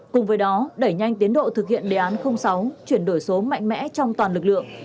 cùng với đó đẩy nhanh tiến độ thực hiện đề án sáu chuyển đổi số mạnh mẽ trong toàn lực lượng